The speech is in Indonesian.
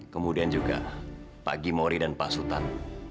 kemudian juga pak gimori dan pak sultan